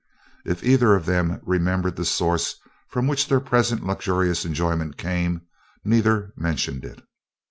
If either of them remembered the source from which their present luxurious enjoyment came, neither mentioned it.